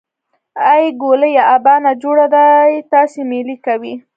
ای ګوليه ابا نا جوړه دی تاسې مېلې کوئ.